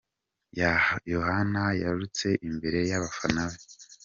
Yohana yarutse imbere y’abafana be